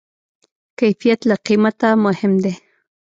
کیفیت له قیمته مهم دی.